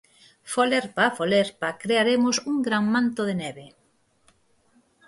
Folerpa a folerpa crearemos un gran manto de neve.